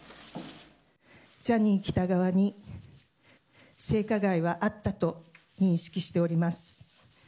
ジャニー喜多川に性加害はあったと認識しております。